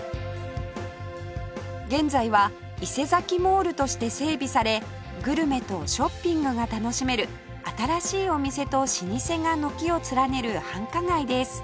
現在はイセザキ・モールとして整備されグルメとショッピングが楽しめる新しいお店と老舗が軒を連ねる繁華街です